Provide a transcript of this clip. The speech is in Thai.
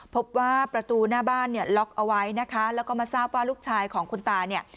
พบว่าประตูหน้าบ้านล็อกเอาไว้นะคะแล้วก็มาซ่าวป้าลูกชายของคุณตา